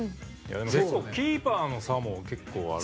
キーパーの差も結構ある。